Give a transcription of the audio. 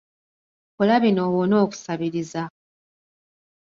Kola bino owone okusabiriza.